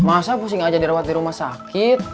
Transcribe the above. masa pusing aja dirawat di rumah sakit